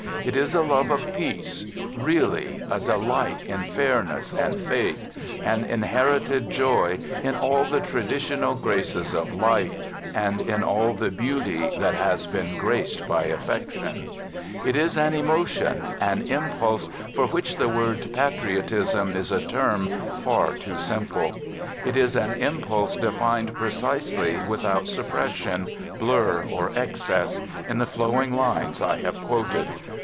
It is a love of peace, really, a delight in fairness and faith — an inherited joy in all the traditional graces of life, and Digitized by 72 "THE GOOD SOLDIER in all the beauty that has been graced by affection. It is an emotion, an impulse, for which the word " patriotism " is a term far too simple. It is an im pulse defined precisely, without suppression, blur, or excess, in the flowing lines I have quoted.